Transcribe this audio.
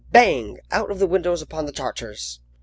bang! out of the windows upon the Tartars."